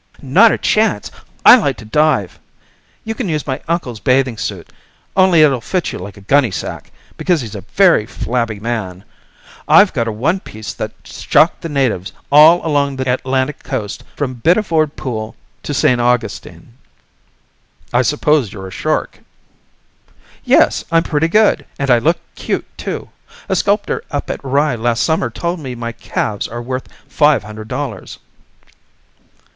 "Not a chance. I like to dive. You can use my uncle's bathing suit, only it'll fit you like a gunny sack, because he's a very flabby man. I've got a one piece that's shocked the natives all along the Atlantic coast from Biddeford Pool to St. Augustine." "I suppose you're a shark." "Yes, I'm pretty good. And I look cute too. A sculptor up at Rye last summer told me my calves are worth five hundred dollars."